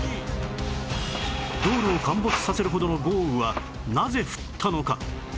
道路を陥没させるほどの豪雨はなぜ降ったのか？